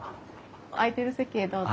空いてる席へどうぞ。